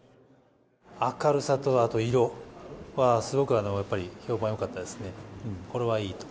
明るさと、あと色はすごくやっぱり評判よかったですね、これはいいと。